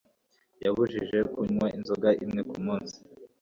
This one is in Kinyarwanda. Yabujije kunywa inzoga imwe kumunsi.